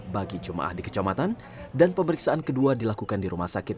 bagi jemaah di kecamatan dan pemeriksaan kedua dilakukan di rumah sakit